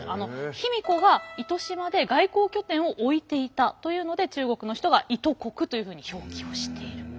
卑弥呼が糸島で外交拠点を置いていたというので中国の人が伊都國というふうに表記をしている。